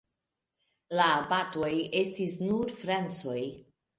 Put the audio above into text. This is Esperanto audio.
La abatoj estis nur francoj.